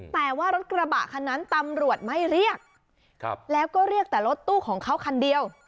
แต่ว่ารถกระบะคันนั้นตำรวจไม่เรียกแล้วก็เรียกแต่รถตู้ของเขาคันเดียว